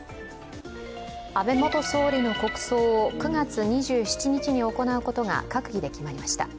安倍元総理の国葬を９月２７日に行うことが閣議で決まりました。